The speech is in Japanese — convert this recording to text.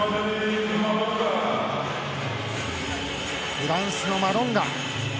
フランスのマロンガ。